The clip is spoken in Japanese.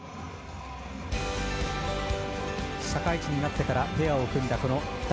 社会人になってからペアを組んだこの２人。